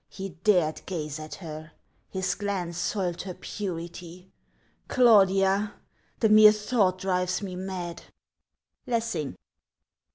... He dared gaze at her ! His glance soiled her purity. Claudia ! The mere thought drives me mad. — LESSING.